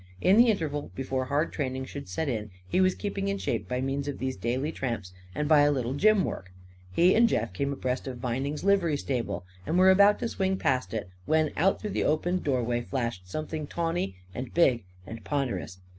In the interval before hard training should set in, he was keeping in shape by means of these daily tramps and by a little gym work. He and Jeff came abreast of Vining's livery stable, and were about to swing past it when out through the open doorway flashed something tawny and big and ponderous.